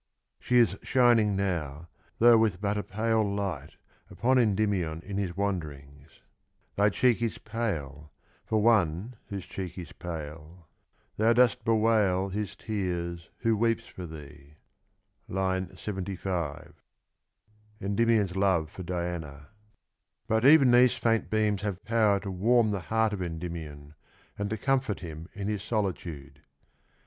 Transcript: She is shining now, though with but a pale light, upon Endymion in his wanderings : thy cheek is pale For one whose cheek is pale : thou dost bewail His tears, who weeps for thee. (III. 75) 49 But even these faint beams have power to warm the heart of Endymion, and to comfort him in his solitude.